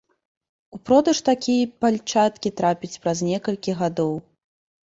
У продаж такія пальчаткі трапяць праз некалькі гадоў.